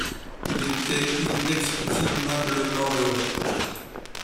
Ils étaient inexprimablement heureux.